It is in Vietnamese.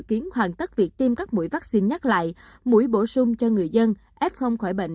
kiến hoàn tất việc tiêm các mũi vaccine nhắc lại mũi bổ sung cho người dân f khỏi bệnh